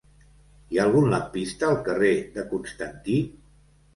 Hi ha algun lampista al carrer de Constantí?